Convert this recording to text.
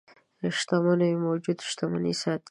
شتمنيو موجوده شتمني ساتي.